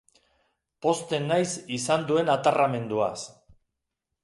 Pozten naiz izan duen atarramenduaz.